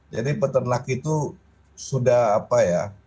jadi peternak itu sudah apa ya